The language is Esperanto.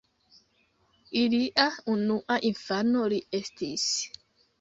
Ilia unua infano li estis.